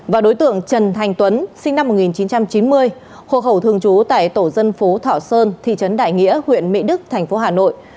và đối tượng trần thành tuấn sinh năm một nghìn chín trăm chín mươi hộ khẩu thường trú tại tổ dân phố thọ sơn thị trấn đại nghĩa huyện mỹ đức thành phố hà nội